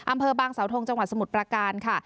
อำเภอบางสาวทงจังหวัดสมุทรประการค่ะ